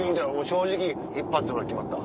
正直一発でほら決まった。